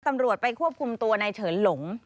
ตำรวจไปควบคุมตัวในเฉินหลง